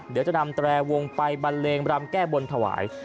เดี๋ยวจะนำแตรวงไปบันเลงรำแก้บนถวาย